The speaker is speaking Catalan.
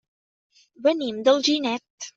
Venim d'Alginet.